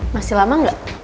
masih lama gak